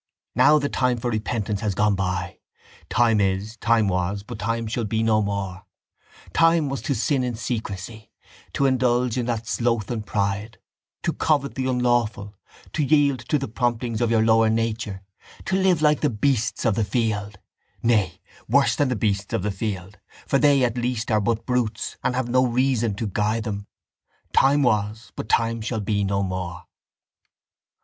Now the time for repentance has gone by. Time is, time was, but time shall be no more! Time was to sin in secrecy, to indulge in that sloth and pride, to covet the unlawful, to yield to the promptings of your lower nature, to live like the beasts of the field, nay worse than the beasts of the field, for they, at least, are but brutes and have no reason to guide them: time was, but time shall be no more.